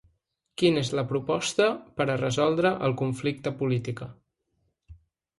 Quina és la proposta per a resoldre el conflicte política.